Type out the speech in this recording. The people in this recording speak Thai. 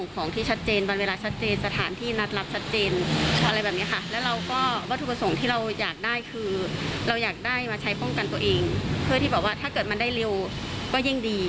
ป้องกันตัวเองเพื่อที่บอกว่าถ้าเกิดมันได้เร็วก็ยิ่งดี